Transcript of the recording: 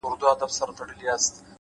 د عمل دوام بریا نږدې کوي’